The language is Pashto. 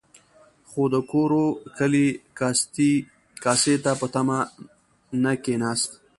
خو د کورو کلي کاسې ته په تمه نه کېناست.